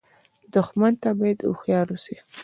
دښمن ته باید هوښیار اوسې